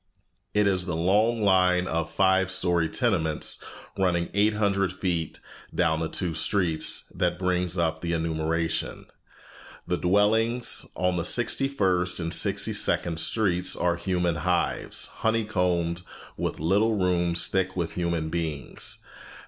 It is the long line of five story tenements, running eight hundred feet down the two streets, that brings up the enumeration. The dwellings on Sixty first and Sixty second Streets are human hives, honeycombed with little rooms thick with human beings.